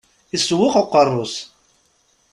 Isewweq uqerru-s.